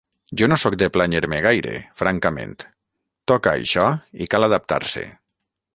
Jo no sóc de plànyer-me gaire, francament: toca això i cal adaptar-se.